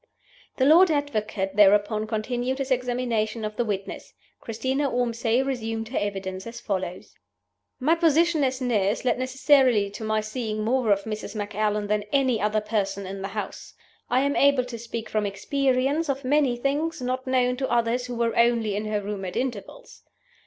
The Lord Advocate thereupon continued his examination of the witness. Christina Ormsay resumed her evidence as follows: "My position as nurse led necessarily to my seeing more of Mrs. Macallan than any other person in the house. I am able to speak from experience of many things not known to others who were only in her room at intervals.